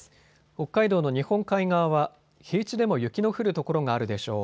北海道の日本海側は平地でも雪の降る所があるでしょう。